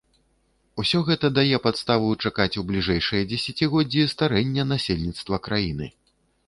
Усё гэта дае падставу чакаць у бліжэйшыя дзесяцігоддзі старэння насельніцтва краіны.